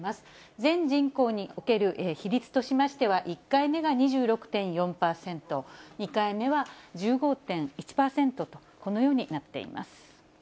全人口における比率としましては、１回目が２６．４％、２回目は１５．１％と、このようになっています。